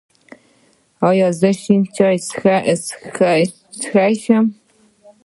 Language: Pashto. ایا زه شین چای څښلی شم؟